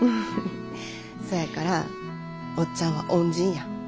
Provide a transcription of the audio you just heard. そやからおっちゃんは恩人や。